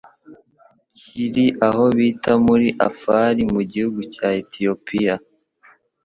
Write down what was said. kiri aho bita muri Afar mu gihugu cya Ethiopia